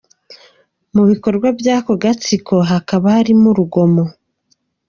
Mu bikorwa by’ako gatsiko hakaba harimo urugomo.